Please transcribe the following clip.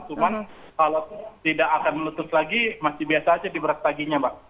cuman kalau tidak akan meletus lagi masih biasa saja di brastaginya pak